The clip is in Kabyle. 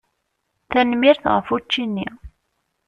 Tanemmirt ɣef učči-nni.